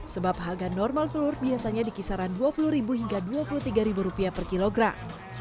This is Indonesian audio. sebab harga normal telur biasanya di kisaran rp dua puluh hingga rp dua puluh tiga per kilogram